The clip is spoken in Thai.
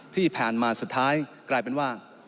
ที่ผ่านมาสุดท้ายกลายเป็นว่า